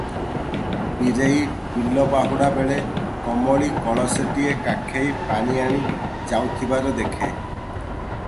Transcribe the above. ବୀରେଇ ବିଲ ବାହୁଡ଼ା ବେଳେ କମଳୀ କଳସୀଟିଏ କାଖେଇ ପାଣି ଆଣି ଯାଉଥିବାର ଦେଖେ ।